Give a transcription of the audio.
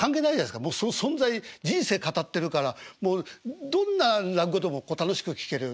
もうその存在人生語ってるからどんな落語でも楽しく聴ける。